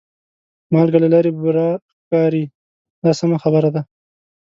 مالګه له لرې بوره ښکاري دا سمه خبره ده.